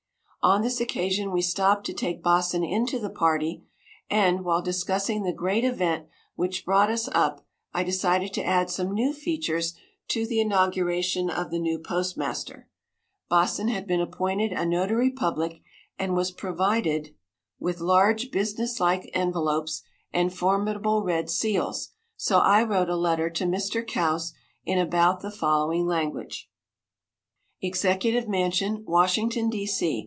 On this occasion we stopped to take Baasen into the party, and while discussing the great event which brought us up, I decided to add some new features to the inauguration of the new postmaster. Baasen had been appointed a notary public, and was provided with large business like envelopes and formidable red seals, so I wrote a letter to Mr. Kouse in about the following language: "EXECUTIVE MANSION, WASHINGTON, D. C.